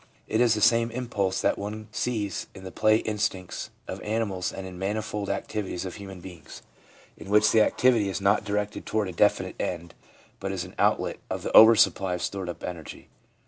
It is the same impulse ADULT LIFE— MOTIVES AND PURPOSES 339 that one sees in the play instincts of animals and in the manifold activities of human beings, in which the activity is not directed toward a definite end, but is an outlet of the over supply of stored up energy.